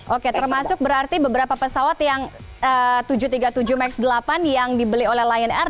oke termasuk berarti beberapa pesawat yang tujuh ratus tiga puluh tujuh max delapan yang dibeli oleh lion air